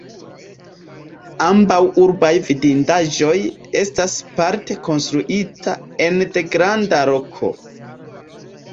Ambaŭ urbaj vidindaĵoj estas parte konstruita ene de granda roko.